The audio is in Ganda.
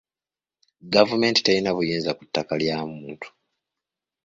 Gavumenti terina buyinza ku ttaka lya muntu.